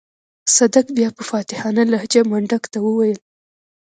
صدک بيا په فاتحانه لهجه منډک ته وويل.